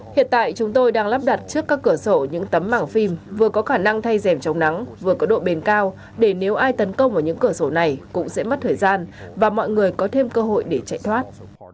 hiện tại chúng tôi đang lắp đặt trước các cửa sổ những tấm mảng phim vừa có khả năng thay dèm trong nắng vừa có độ bền cao để nếu ai tấn công vào những cửa sổ này cũng sẽ mất thời gian và mọi người có thêm cơ hội để chạy thoát